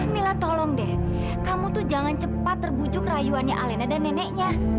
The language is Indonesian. mila tolong deh kamu tuh jangan cepat terbujuk rayuannya alena dan neneknya